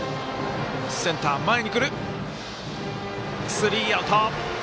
スリーアウト。